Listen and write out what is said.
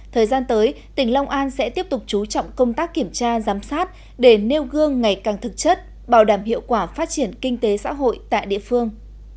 thời gian tới tỉnh long an sẽ tiếp tục chú trọng công tác kiểm tra giám sát để nêu gương ngày càng thực chất bảo đảm hiệu quả phát triển kinh tế xã hội tại địa phương